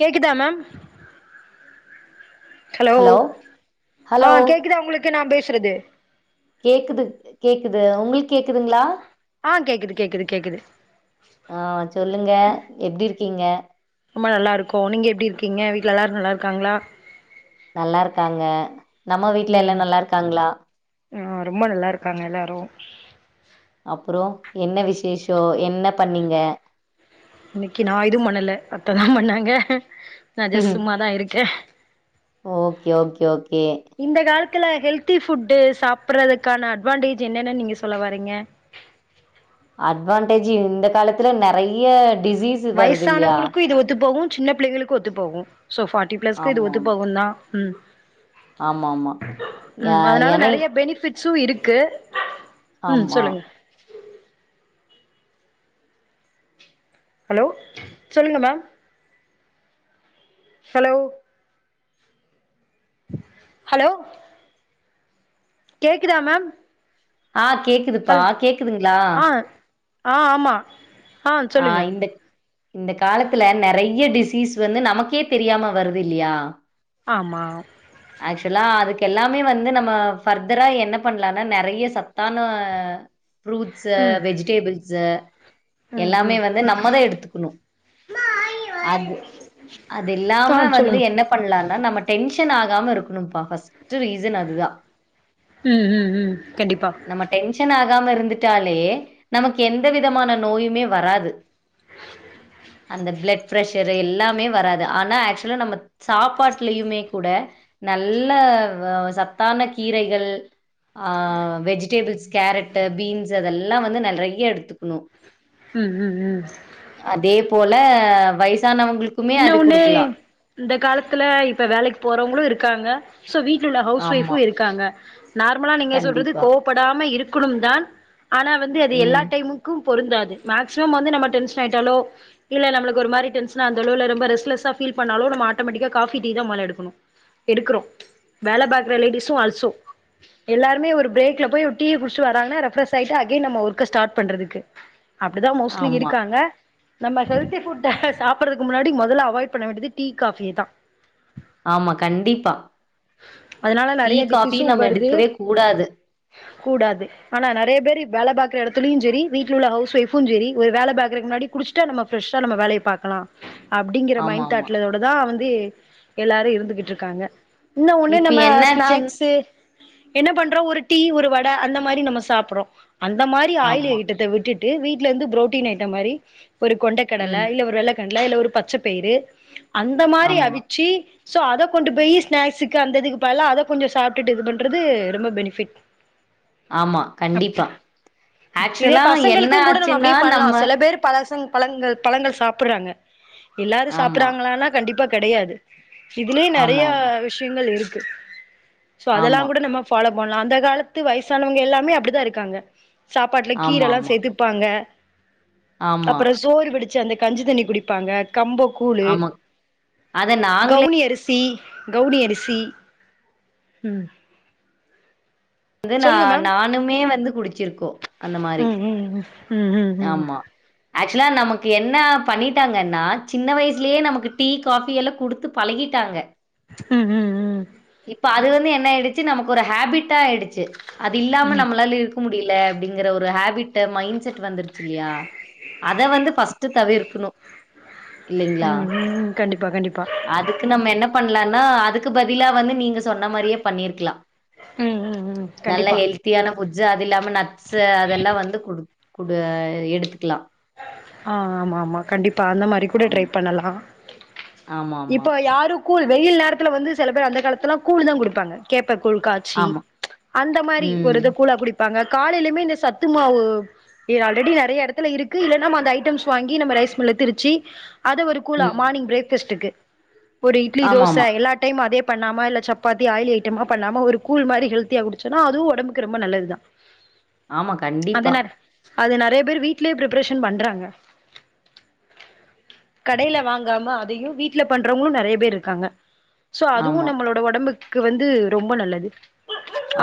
கேக்குதா ma'am hello ஆ hello கேக்குதா உங்களுக்கு நான் பேசுறது கேக்குது கேக்குது உங்களுக்கு கேக்குதுங்களா ஆ கேக்குது கேக்குது கேக்குது ஆ சொல்லுங்க எப்டி இருக்கீங்க ரொம்ப நல்லா இருக்கோ நீங்க எப்டி இருக்கீங்க வீட்ல எல்லாரும் நல்லா இருக்காங்களா நல்லா இருக்காங்க நம்ம வீட்ல ம் எல்லாம் நல்லா இருக்காங்களா ஆ ரொம்ப நல்லா இருக்காங்க எல்லாரும் அப்பறோ என்ன விசேஷோ என்ன பண்ணீங்க இன்னைக்கு நான் எதுவும் பண்ணல அத்ததா பண்ணாங்க நா ஜெஸ்ட் சும்மாதா இருக்கேன் ஓகே ஓகே ஓகே இந்த காலத்துல்ல ஹெல்தி ஃபுட்டு சாப்பிட்றதுக்கான அட்வான்டேஜ் என்னென்னு நீங்க சொல்ல வரீங்க அட்வான்டேஜ் இந்த காலத்துல நறைய டிசீஸ் வருது இல்லையா வயசானவங்களுக்கும் இது ஒத்து போகும் சின்ன பிள்ளைங்களுக்கு ஒத்து போகும் சோ ஃபார்ட்டி பிளஸ்க்கு இது ஆமா ஒத்து போகும் தான் ம் ஆமா ஆமா ஆ ம் அதனால எனை நறைய பெனிப்ஃபிட் சூ இருக்கு ம் ஆமா சொல்லுங்க ஹலோ சொல்லுங்க மேம் ஹலோ ஹலோ கேக்குதா மேம் ஆ கேக் சொல் ஆ ஆ ஆமா ஆ இந்த இந்த காலத்துல நறைய டிசீஸ் வந்து நமக்கே தெரியாம வருது இல்லையா ஆமா ஆக்சுவலா அதுக்கு எல்லாமே வந்து நம்ம ஃபர்தரா என்ன பண்ணலானா நறைய சத்தான ஃப்ரூட்ஸ்ஸு ம் வெஜிடேபிள்ஸ ம் எல்லாமே ம் வந்து நம்மதான் எடுத்துக்கணும் அது அது ஆ இல்லாம வந்து சொல்லுங்க என்ன பண்லான்னா நம்ம டெஷன் ஆகாம இருக்கணும்ப்பா ஃபஸ்ட் டு ரீசன் அதுதா ம் ம் ம் கண்டிப்பா நம்ம டென்ஷன் ஆகாம இருந்துட்டாலே நமக்கு எந்த விதமான நோயுமே வராது அந்த பிளட் ப்ரஷரு எல்லாமே வராது ஆனா ஆக்சுவலா நம்ம சாப்பாட்டுலயுமே கூட நல்ல ஆ சத்தான கீரைகள் ஆ வெஜிடேபிள்ஸ் கேரட்டு பீன்ஸு அதெல்லா வந்து நெறைய எடுத்துக்குணு ம் ம் ம் அதே போல வயசானவங்களுக் இன்னு ஒன்னு இந்தக் காலத்துல இப்ப வேலைக்கு போறவங்களு இருக்காங்க சோ வீட்ல உள்ள ஹவுஸ் ஆமா, ஒய்ஃபு இருக்காங்க நார்மலா நீங்க சொல்றது கண்டிப்பா. கோவப்படாம இருக்கணும் தான் ஆனா வந்து எல்லா ம். டைமு க்கும் பொருந்தாது மேக்சிமம் வந்து நம்ம டென்ஷனாயிட்டாலோ இல்ல நம்மளுக்கு ஒரு மாரி டென்ஷ் அந்தளவுல ரொம்ப ரெஸ்லஸ்ஸா ஃபீல் பண்ணாலோ நம்ம ஆட்டோமெட்டிக்கா காஃபி டீ தா மொதல்ல எடுக்கனு எடுக்குறோ வேல பாக்குற லேடிஸு ஆல்சோ எல்லாருமே ஒரு பிரேக்ல போய் ஒரு டீய குடிச்சிட்டு வராங்கன்னா ரெஃப்ரஸ் ஆகிட்டு அகைன் நம்ம ஒர்க்க ஸ்டார்ட் பண்றதுக்கு அப்டிதா மோஸ்ட்லி ஆமா, இருக்காங்க நம்ம ஹெல்த்தி ஃபுட்ட சாப் புறதுக்கு முன்னாடி மொதல்ல அவாய்ட் பண்ண வேண்டியது டீ காஃபிய தா ஆமா கண்டிப்பா அதனால டீ நெறைய காஃபி டிசீஸு நம்ம வருது எடுக்கவே கூடாது கூடாது ஆனா நெறைய பேரு வேல பாக்குற எடத்துலயு‌ செரி வீட்ல உள்ள ஹவுஸ் ஒய்ஃபு செரி ஒரு வேல பாக்கறக்கு முன்னாடி குடிஸ்ட்டா நம்ம ஃப்ரெஷ்ஷா நம்ம வேலைய பாக்கலா அப்டிங்கிற மைண்ட் ஆமாமா. தாட்ல ஓட தா வந்து எல்லாரு இருந்துக்கிட்டு இருக்காங்க இன்னு ஒன்னு இப்ப நம்ம என்னாச்சுன் ஸ்நாக்ஸு என்ன பண்றோ ஒரு டீ ஒரு வட அந்த மாரி நம்ம சாப்றோ அந்த மாரி ஆயில் ஆமா. ஐட்டத்த விட்டுட் டு வீட்லேருந்து புரோட்டீன் ஐட்ட மாரி ஒரு கொண்டக்கடலை ம். இல்ல ஒரு வெள்ள கல்ல ஒரு பச்சப்பயிரு அந்த மாரி ஆமா, அவிச்சு ஸோ அத கொண்டு போயி ஸ்நாக்ஸுக்கு அந்த இதுக்கு பதிலா அத கொஞ்ச சாப்ட்டுட்டு இது பண்றது ரொம்ப‌ பெனிஃபிட் ஆமா அப் கண்டிப்பா இதே ஆக்சுவலா என்ன பசங்களுக்கு கூட நம்ம ஆச்சுன்னா அப்டியே பண்லா நம்ம செல பேர் பசங் பழங்கள் பழங்கள் சாப்புறாங்க எல்லாரு ஆமா, சாப்புறாங்களான்னா கண்டிப்பா கெடையாது இதுலயே நெறைய ஆமாமா. விஷயங்கள் இருக்கு சோ அதெல்லா ஆமா, கூட நம்ம ஃபாலோ பண்லா அந்தக் காலத்து வயசானவங்க எல்லாமே அப்டி தா இருக்காங்க சாப்பாட்ல கீர எல்லா ஆமாமா. சேத்து ப்பாங்க ஆமா, ஆமா. ஆமா, அப்பற சோறு வடிச்சு அந்த கஞ்சி தண்ணி குடிப்பாங்க கம்போ கூழு ஆமா. அத நாங்களே கவுனி அரிசி கவுனி அரிசி ம் வந்து நா சொல்லுங்க மேம் நானுமே வந்து குடிச்சிருக்கோ அந்த மாரி ம் ம் ம் ம் ம் ம் ம் ம் ஆமா ஆக்சுவலா நமக்கு என்ன பண்ணிட்டாங்கன்னா சின்ன வயசுலேயே நமக்கு டீ காஃபி எல்லா குடுத்து பழகிட்டாங்க ம் ஹு ம் இப்ப அது வந்து என்ன ஆயிடுச்சு நமக்கு ஒரு ஹேபிட்டா ஆயிடுச்சு அது இல்லாம ம் ம் நம்மளால இருக் க முடியல அப்டிங்கற ஒரு ஹேபிட்டு மைண்ட் செட் வந்துருச்சு இல்லையா அத வந்து ஃபஸ்ட்டு தவிர்க்கணு ம் ம் கண்டிப்பா கண்டிப்பா அதுக்கு நம்ம என்ன பண்லான்னா அதுக்கு பதிலா வந்து நீங்க சொன்ன மாறியே பண்ணிருக்லா ம் ம் ம் நல்லா கண்டிப்பா ஹெல் த்தியான ஃபுட்ஸு அது இல்லாம நட்ஸு அதெல்லா வந்து குடுத் குடு எடுத்துக்குலா ஆ ஆமா ஆமா கண்டிப்பா அந்த மாறி கூட ட்ரை ஆமா. பண்ணலா ஆமாமா. இப்போ ஆமா. எ யாரு கூழ் வெயில் நேரத்துல வந்து சில பேர் அந்த காலத்துலா கூழ்தா குடுப்பாங்க கேப்ப கூழ் கா ச்சி ஆமா. அந்த மாறி ஒரு ம். இது கூழா‌ குடிப் பாங்க காலைலிமே இந்த சத்து மாவு இது ஆல்ரெடி நெறையா எடத்துல இருக் க்கு இல்லனா‌ அந்த ஐட்டம்ஸ் கீ கு இல்ல நம்மோ அந்த ஐட்டம்ஸ் வாங்கி நம்ம‌ ரைஸ் மில்ல திரிச்சி அத‌ ஒரு கூழா ம். மார்னிங் பிரேக்கஸ்ட்டுக்கு ஒரு இட்லி தோச ஆமாமா. எல்லா டைமு அதே பண்ணாம இல்ல சப்பாத்தி ஆயில் ஐட்டமா பண்ணாம ஒரு கூழ் மாறி ஹெல்த்தியா குடிச்சோனா அதூ ஒடம்புக்கு ரொம்ப நல்லதுதா ஆமா, அத கண்டிப்பா. நெற் அது நெறைய பேரு வீட்லே ப்ரிப் புரேஷன் பண்றாங்க கடைல வாங்காம அதையு வீட்ல பண்றவங்களு நெறைய பேர் இருக்காங்க சோ அதுவு ஆமா. நம்மளோட ஒடம்புக்கு வந்து ரொம்ப நல்லது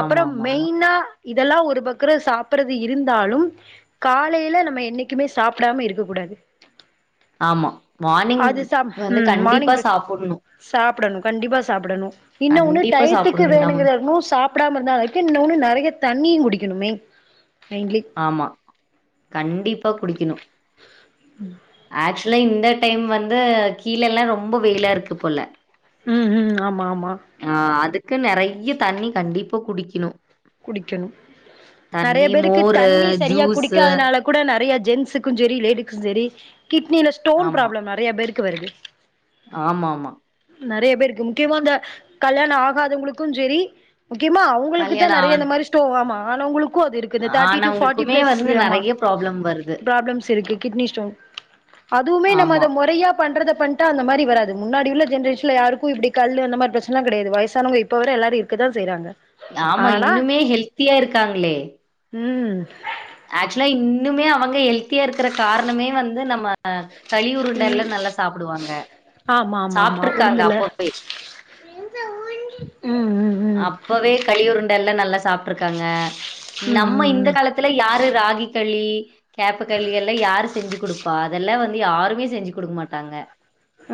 அப்புறம் ஆமாமாமா. மெய்னா இதெல்லா ஒரு பக்குற சாப்புறது இருந்தாலும் காலையில நம்ம எண்ணிக் குமே சாப்டாம இருக்க கூடாது ஆமா மார்னிங் வந்து கண்டிப்பா சாப்புட்ணு சாப்புடணு கண்டிப்பா சாப்புடணு இன்னு ஒன்னு கண்டிப்பா டயத்துக்கு சாப்புட்ணும். நம் வேணுங்குற நேர்மு சாப் சாப்டாம இருந்தா அது இன்னொன்னு நெறைய தண்ணியு குடிக்கணுமே மெய்ன்லி ஆமா கண்டிப்பா குடிக்கணு ம் ஆக்சுலா இந்த டைம் வந்து கீழலலா ரொம்ப வெயிலா இருக்கு போல ம் ம் ஆமா ஆமா ஆ அதுக்கு நெறைய தண்ணி கண்டிப்பா குடிக்குணு குடிக்கணு நெறைய பேருக்கு மோரு, தண்ணி சரியா ஜூஸு குடிக்காதனால கூட நெறைய ஜென்ஸுக்கு சரி லேடிஸ்க்கு சரி கிட்னில ஸ்டோன் பிராப்ளம் நெறைய பேருக்கு வருது ஆமாம்மா நெறைய பேருக்கு முக்கியமா இந்த கல்யாணோ ஆகாதவுங்குளுக்கு செரி முக்கியமா அவுங் கல்யாண ஆன் இந்த ஸ்டோ ஆமா ஆனவுங்குளுக்கு அது இருக்குது தேட்டி டூ ஃபாட்டி ஆனவங்களுக்குமே வந்து பிளஸ்ஸு ஆமா நெறைய ப்ராப்ளம் வருது. பிராப்ளம்ஸ் இருக்கு கிட்னி ஸ்டோன் அதுவுமே நம்ம ஆமா. அத மொறையா பண்றத பண்ட்டா அந்த மாரி வராது முன்னாடி உள்ள ஜென்ரேஷ்ல யாருக்கு இப்டி கல்லு அந்த மாரி பிரச்னலா கெடையாது வய்சானவ்ங்க இப் போ வர எல்லாரு இருக்கதா செய்றாங்க யாமா ஆனா இன்னுமே ஹெல்த்தியா இருக்காங்ளே ம் ஆக்சுலா இன்னுமே அவங்க ஹெல்த்தியா இருக்குற கார்ணமே வந்து நம்ம அ களி ம் உருண்டல்லா நல்லா சாப்புடுவாங்க ஆமா ஆமா ஆமா சாப்ட்ருக்காங்க உளுந்துல அப்போவே ம் ம் ம் அப்பவே களி உருண்டெல்லா நல்லா சாப்ட்ருக்காங்க ம் நம்ம இந்த ம் காலத் துலே யாரு ராகி களி கேப்ப களி எல்லா யாரு செஞ்சு குடுப்பா அதெல்லா வந்து யாருமே செஞ்சு குடுக்கு மாட்டாங்க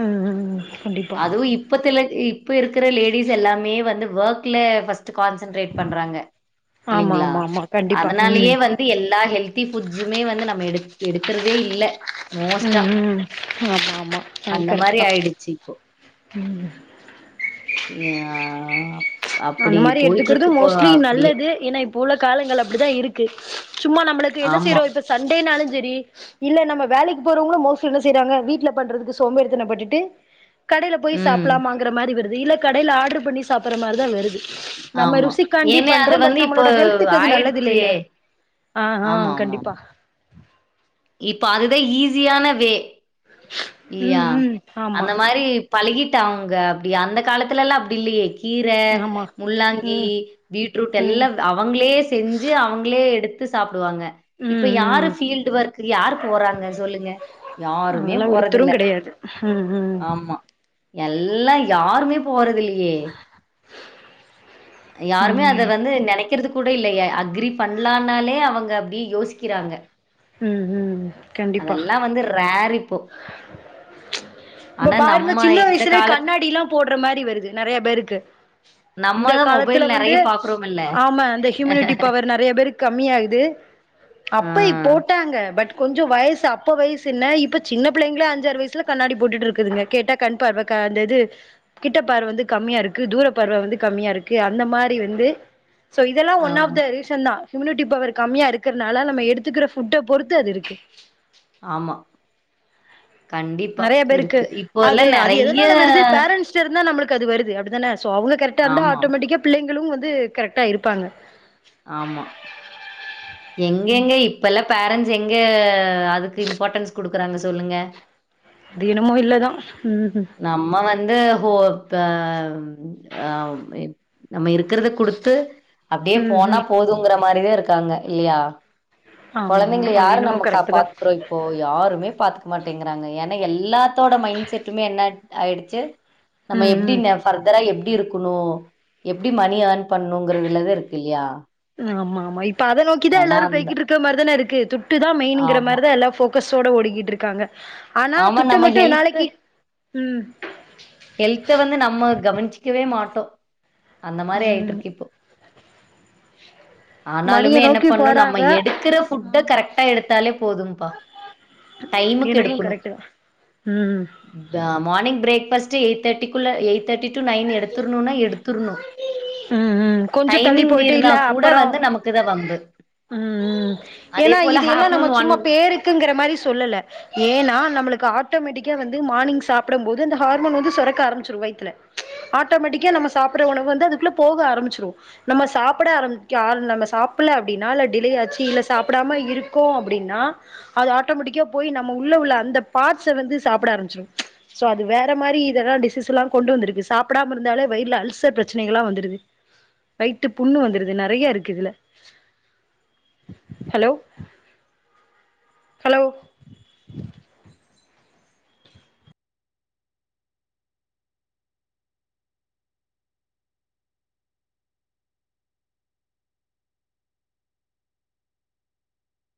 ம் ம் ம் ம் கண்டிப்பா அது இப்பத்துல இப்ப இருக்குற லேடிஸ் எல்லாமே வந்து ஒர்க்ல ஃபஸ்ட்டு கான்சன்ட்ரேட் பண்றாங்க ஆமா இல்லைங்ளா ஆமா ஆமா கண்டிப்பா அதனாலயே ம் வந் து எல்லா ஹெல்தி புட்ஸுமே வந்து நம்ம எடுக் எடுக்கிறதே இல்ல மோஸ்ட்டா ம் ம் ஆமா ஆமா அந்த மாரி ஆயிடுச்சி இப்போ ம் ஏ அந்த மாரி எடுத்துக்குறது மோஸ்ட்லி அப்படியே நல்லது ஏனா இப்போ உள்ள காலங்கள் அப்டிதா இருக்கு சும்மா நம்ளுக்கு என்ன ஆமா செய்றோ இப்ப சண்டேனாலு செரி இல்ல நம்ம வேலைக்கு போறவங்களு மோஸ்ட்லி என்ன செய்றாங்க வீட்ல பண்றதுக்கு சோம்பேரித்தன பட்டுட்டு கடையில போய் ம் சாப்பிலாமாங்கற மாரி வருது இல்ல கடையில ஆட்ரு பண்ணி சாப்பற மாரிதா வருது நம்ம ஆமா ருசிக்காண்டி ஏன்னா அது பண்றோ பட் வந்து இப்போ நம்மளோட ஹெல்த்துக்கு அது நல்லது ஆயிடுச்சே இல்லல ஆ ஆ ஆமா ஆமா கண்டிப்பா ஆமா இப்ப அதுதா ஈஸியான வே ம் இல்லயா ம் ஆமா அந்த மாரி பழகிட்டாங்க அப்டி அந்த காலத்துலலா அப்டி இல்லயே கீர ஆமா முள்ளாங்கி ம் பீட்ரூட் ம் எல்லா அவங்ளே செஞ்சி அவங்ளே எடுத் து சாப்புடுவாங்க இப்ப ம் யாரு ம் பீல்டு ஒர்க்கு யாரு போறாங்க சொல்லுங்க யாருமே ஒருத்ரு போறதில்ல கெடையாது ம் ம் ஆமா எல்லா யாருமே போறது இல்லையே யாருமே அத ம் வந்து நெனைக் கறது கூட இல்லயே அக்ரி பண்லானாலே அவங்க அப்டியே யோசிக்கிறாங்க ம் ம் கண்டிப்பா அதெல்லா வந்து ரேர்ரிப் இப்ப பாருங்க நம்ம சின்ன இந்த வயசுலே காலத் கண்ணாடிலா போட்ற மாரி வருது நெறைய பேருக்கு நம்ம இந்த தான் மொபைல் காலத்துல நெறைய வந்து பாக்குறோம்ல்ல. ஆமா அந்த ஹியுமினிட்டி பவர் நெறைய பேருக்கு கம்மி ஆகுது ஆ. அப்பயு போட்டாங்க பட் கொஞ்ச வயஸ் அப்ப வயஸ் என்ன இப்ப சின்ன பிள்ளைங்களே அஞ்சாறு வயசுல கண்ணாடி போட்டுட்ருக்குதுங்க கேட்டா கண்பார்வ க அந்த இது கிட்ட பார்வ வந்து கம்மியா இருக்கு தூர பார்வ வந்து கம்மியா இருக்கு அந்த மாரி வந்து சோ இதெல்லா ஒன் ஆஃப் ஆமா, த ரீச ட்டுதா இம்யூனிட்டி பவர் கம்மியா இருக்றனால நம்ம எத்துக்கிற ஃபுட்ட பொறுத்து அது இருக்கு ஆமா கண்டிப்பா நெறைய பேருக்கு இருக்கு. அது இப்போலாம் அது நெறைய எதனால வருது பேரன்ட்ஸ் ச்ச இருந்தா நம்ளுக்கு அது வருது அப்டிதானே சோ அவங்க கரெக்டா இருந்தா ஆமா, ஆட்டோமேட்டிக்கா பிள்ளைங்களு வந்து கரெக்டா இருப்பாங்க ஆமா எங்கெங்க இப்பெல்லா பேரன்ட்ஸ் எங்க அதுக்கு இம்பார்ட்டன்ஸ் குடுக்குறாங்க சொல்லுங்க அது என்னமோ இல்லதா ம் ம் நம்ம வந்து நம்ம இருக்கிறத குடுத்து அப்டியே போனா ம்ஹும் போதுங்கிற மாரிதா இருக்காங்க இல்லையா ஆமா ஆமா கொழந்தைங்கள அது யாரு என்னமோ நம்ம கா கரெக்ட் தா பாத்துக்றோம் இப்போ யாருமே பாத்துக்க மாட்டேங்றாங்க ஏனா எல்லாத்தோட மைண்ட் செட்டுமே என்ன அட் ஆயிடுச்சு நம்ம ம் எப்டி ம் இந்த ஃபர்தரா எப்டி இருக்குணு எப்டி மணி ஏர் ன் பண்ணுங்றதுலதா இருக்கு இல்லையா ஏனா அந்த க்க மாரி தானே இருக்கு துட்டு தா மெயினுங்ற ஆமா மாரி தா எல்லா போக்கஸோட ஓடிக்கிட்டு இருக்காங்க ஆனா ஆமா துட்டு நம்ம மட்டு ஹெல்த் நாளக்கி ம் ஹெல்த்த வந்து நம்ம கவனிச்சிக்கவே மாட்டோ அந்த மாரி ம் ஆயிட்ருக்கு இப்போ மணிய ஆனாலுமே என்ன நோக்கி பண்ணு நம்ம போறாங்க எடுக்கிற ஃபுட்ட கரெட்டா எடுத்தாலே போதும்பா டைமுக்கு என்னமோ கரெட்டு தா ம் இந்த மார்னிங் பிரேக்ஃபஸ்ட்டு எயிட் தேர்ட்டிக்குள்ள எய்ட் தேர்ட்டி டூ நைன் எடுத்துர்ணுனா எடுத்துர்ணு ம் கொஞ்ச தள்ளி டைமிங் போயிட்டு மீறினா இல்ல கூட அப்பறோ வந்து நமக்கு தான் வம்பு. ம் ம் அதே ஏனா போல இது எல்லா நம்ம ஆஃப்டர்நூன் சும்மா பேருக்குங்கிற மாரி சொல்லல ஏனா நம்மளுக்கு ஆட்டோமேட்டிக்கா வந்து மார்னிங் சாப்பிடம் போது அந்த ஹார்மோன் வந்து சொரக்க ஆரம்மிச்சிரு வயித்துல ஆட்டோமேட்டிக்கா நம்ம சாப்பிட்ற உணவு வந்து அதுக்குள்ள போக ஆரம்மிச்சிரு நம்ம சாப்புட ஆரம்பிக்க ஆர் நம்ம சாப்பிட்ல அப்டினா இல்ல டிலே ஆச்சு இல்ல சாப்பிடாம இருகோ அப்டினா அது ஆட்டோமேட்டிக்கா போய் நம்ம உள்ள உள்ள அந்த பாட்ஸ வந்து சாப்பிட ஆரம்மிச்சிரு சோ அது வேற மாரி இதெல்லா டிசீஸ்லா கொண்டு வந்திருக்கு சாப்பிடாம இருந்தாலே வயிறுல அல்சர் பிரச்சனைகள்லா வந்து துருது வயித்து புண்ணு வந்துருது நெறையா இருக்கு இதுல ஹலோ ஹலோ